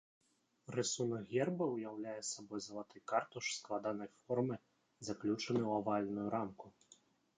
Рысунак герба ўяўляе сабой залаты картуш складанай формы, заключаны ў авальную рамку.